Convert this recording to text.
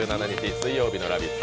水曜日「ラヴィット！」